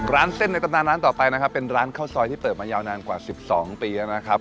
ร้านเส้นในตำนานร้านต่อไปนะครับเป็นร้านข้าวซอยที่เปิดมายาวนานกว่า๑๒ปีแล้วนะครับ